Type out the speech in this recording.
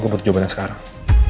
gue butuh jawabannya sekarang